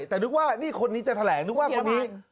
แต่นึกว่านี่คนนี้จะแถลงนึกว่าคนนี้